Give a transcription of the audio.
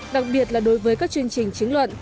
đặc biệt là đối với các chương trình chính luận